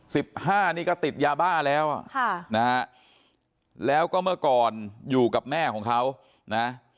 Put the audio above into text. สิบห้านี่ก็ติดยาบ้าแล้วอ่ะค่ะนะฮะแล้วก็เมื่อก่อนอยู่กับแม่ของเขานะ